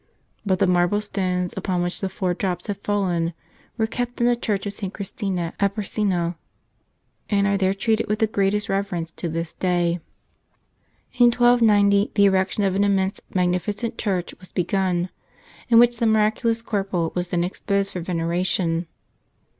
But the marble stones upon which the four drops had fallen were kept in the church of St. Christina at Bolsena and are there treated with the greatest reverence to this day. In 1290 the erection of an immense, magnificent church was begun, in which the miraculous corporal was then exposed for veneration.